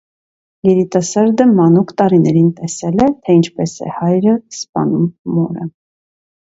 Երիտասարդը մանուկ տարիներին տեսել է, թե ինչպես է հայրը սպանում մորը։